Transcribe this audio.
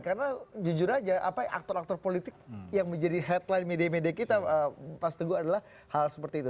karena jujur aja apa aktor aktor politik yang menjadi headline media media kita pas teguh adalah hal seperti itu